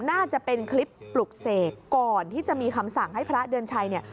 น่าจะเป็นคลิปปลุกเสกก่อนที่จะมีคำสั่งให้พระเดือนชัยเนี่ย